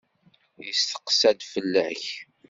Yesteqsa-d fell-ak.